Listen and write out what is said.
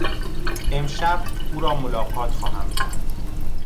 امشب او را ملاقات خواهم کرد.